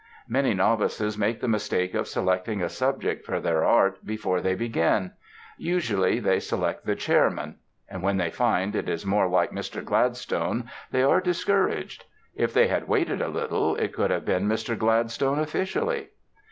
Many novices make the mistake of selecting a subject for their Art before they begin; usually they select the chairman. And when they find it is more like Mr. Gladstone they are discouraged. If they had waited a little it could have been Mr. Gladstone officially.